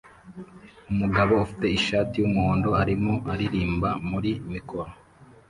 Umugabo ufite ishati yumuhondo arimo aririmba muri mikoro